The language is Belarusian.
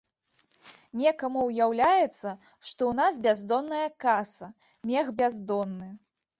Некаму ўяўляецца, што ў нас бяздонная каса, мех бяздонны.